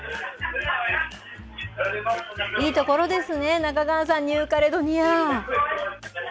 いい所ですね、中川さん、ニューカレドニア。